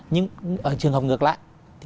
nhưng ở trường hợp ngược lại